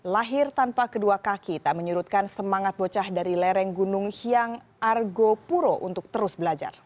lahir tanpa kedua kaki tak menyurutkan semangat bocah dari lereng gunung hiang argo puro untuk terus belajar